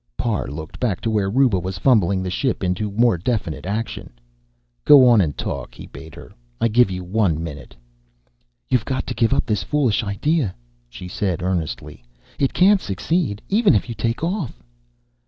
Parr looked back to where Ruba was fumbling the ship into more definite action. "Go on and talk," he bade her. "I give you one minute." "You've got to give up this foolish idea," she said earnestly. "It can't succeed even if you take off."